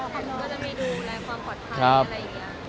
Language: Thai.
เขาก็จะมีดูแลความปลอดภัยอะไรอย่างนี้